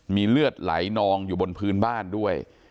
มีเลือดไหลนองอยู่บนพื้นบ้านด้วย